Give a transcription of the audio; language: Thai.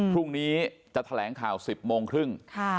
พรุ่งนี้จะแถลงข่าว๑๐โมงครึ่ง